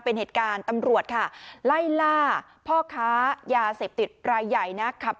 เป็นเหตุการณ์ตำรวจค่ะไล่ล่าพ่อค้ายาเสพติดรายใหญ่นะครับ